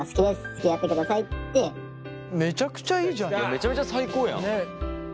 めちゃめちゃ最高やん。